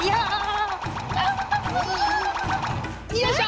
よいしょ！